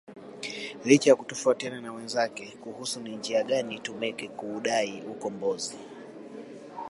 Licha ya kutofautiana na wenzake kuhusu ni njia gani itumike kuudai ukombozi